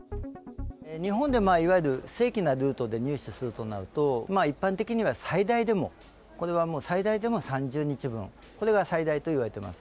日本でいわゆる正規なルートで入手するとなると、一般的には最大でも、これはもう最大でも３０日分、これが最大といわれてます。